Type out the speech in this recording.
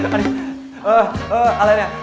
อันนี้เออเอออะไรเนี่ย